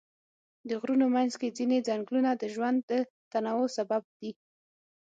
د غرونو منځ کې ځینې ځنګلونه د ژوند د تنوع سبب دي.